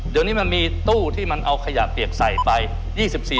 เดี๋ยวนี้มันมีตู้ที่มันเอาขยะเปียกใส่ไป